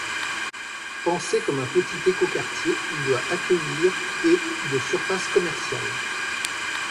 Pensé comme un petit écoquartier, il doit accueillir et de surfaces commerciales.